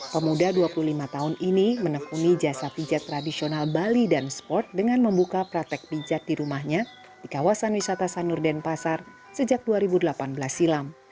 pemuda dua puluh lima tahun ini menekuni jasa pijat tradisional bali dan sport dengan membuka praktek pijat di rumahnya di kawasan wisata sanur denpasar sejak dua ribu delapan belas silam